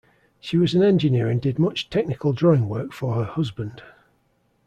She was an engineer and did much technical drawing work for her husband.